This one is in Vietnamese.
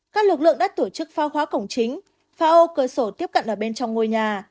các lực lượng đã tổ chức pha hóa cổng chính pha ô cơ sổ tiếp cận ở bên trong ngôi nhà